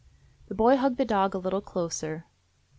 The boy hugged the dog a little closer.